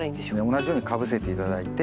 同じようにかぶせて頂いて。